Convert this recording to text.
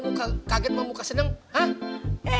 muka kaget sama muka seneng ha